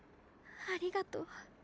ありがとう。